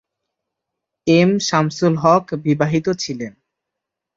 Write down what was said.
M Shamsul Haque বিবাহিত ছিলেন।